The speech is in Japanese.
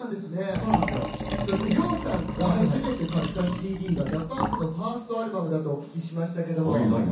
ＲＹＯさんが初めて買ったＣＤがＤＡＰＵＭＰのファーストアルバムだとお聞きしましたが。